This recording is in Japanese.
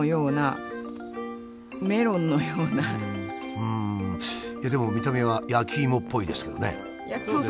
うんでも見た目は焼き芋っぽいですけどね。